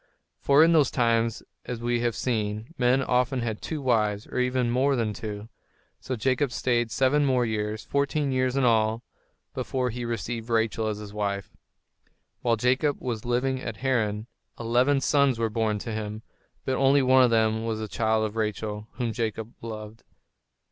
For in those times, as we have seen, men often had two wives, or even more than two. So Jacob stayed seven years more, fourteen years in all, before he received Rachel as his wife. While Jacob was living at Haran, eleven sons were born to him. But only one of these was the child of Rachel, whom Jacob loved.